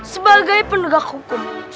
sebagai penegak hukum